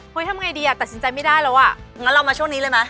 ทำยังไงดิถัดสินใจไม่ได้แล้วงั้นเรามาช่วงนี้เลยค่ะ